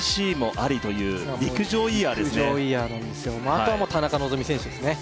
あとは田中希実選手ですね